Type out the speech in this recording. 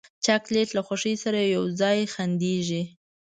چاکلېټ له خوښۍ سره یو ځای خندېږي.